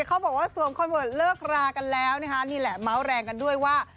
เขาบอกว่าสวมคอนเวิร์ตเลิกรากันแล้วนะคะนี่แหละเมาส์แรงกันด้วยว่า